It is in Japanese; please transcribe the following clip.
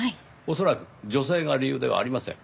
恐らく女性が理由ではありません。